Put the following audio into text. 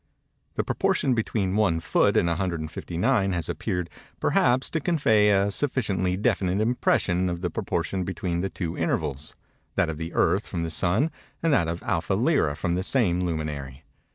The proportion between one foot and 159 has appeared, perhaps, to convey a sufficiently definite impression of the proportion between the two intervals—that of the Earth from the Sun and that of Alpha Lyræ from the same luminary.